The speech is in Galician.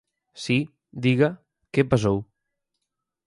Si, diga, ¿que pasou?